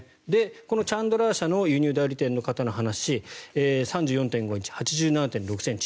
このチャンドラー社の輸入代理店の方の話３４．５インチ８７．６ｃｍ